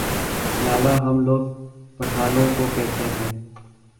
لالہ ہم لوگ پٹھانوں کو کہتے ہیں ۔